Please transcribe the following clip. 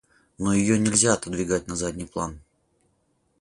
Но ее нельзя отодвигать на задний план.